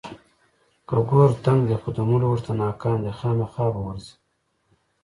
که ګور تنګ دی خو د مړو ورته ناکام دی، خوامخا به ورځي.